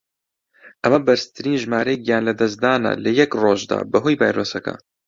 ئەمە بەرزترین ژمارەی گیان لەدەستدانە لە یەک ڕۆژدا بەهۆی ڤایرۆسەکە.